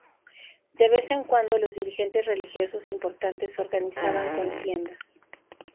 De vez en cuando los dirigentes religiosos importantes organizaban contiendas.